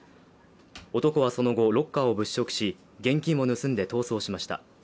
男はその後、ロッカーを物色し現金を盗んで逃走しました。